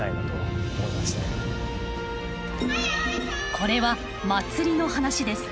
これは祭りの話です。